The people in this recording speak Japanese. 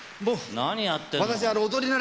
何やってんのよ？